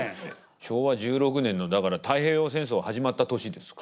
昭和１６年のだから太平洋戦争始まった年ですか。